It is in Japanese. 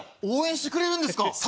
応援してくれるんですか？